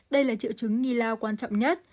đây là triệu chứng nghi lao quan trọng nhất